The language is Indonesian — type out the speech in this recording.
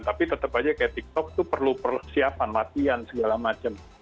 tapi tetap aja kayak tiktok itu perlu persiapan latihan segala macam